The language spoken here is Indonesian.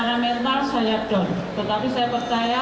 ini mempercepat kesembuhan dan menimbulkan imunitasnya